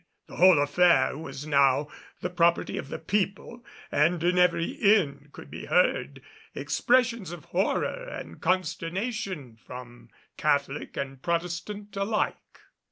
The whole affair was now the property of the people, and in every inn could be heard expressions of horror and consternation from Catholic and Protestant alike.